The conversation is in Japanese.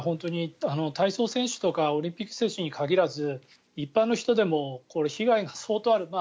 体操選手とかオリンピック選手に限らず一般の人でもこれ、被害が相当ある。